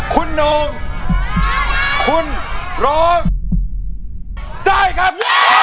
คุณองค์ร้องได้ครับ